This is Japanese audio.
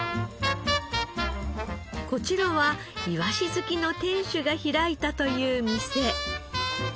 こちらはいわし好きの店主が開いたという店。